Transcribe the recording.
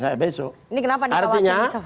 ini kenapa dikawal jokowi